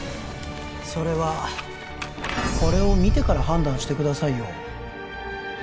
それはこれを見てから判断してくださいよ